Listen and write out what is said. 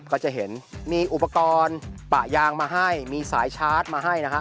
ก็จะเห็นมีอุปกรณ์ปะยางมาให้มีสายชาร์จมาให้นะฮะ